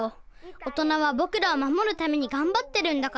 大人はぼくらをまもるためにがんばってるんだから。